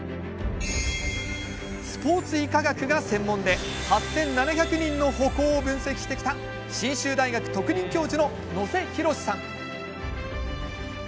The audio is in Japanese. スポーツ医科学が専門で８７００人の歩行を分析してきた信州大学特任教授の能勢博さん。